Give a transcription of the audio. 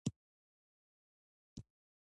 جاوېد اختر يو عام ملحد نۀ دے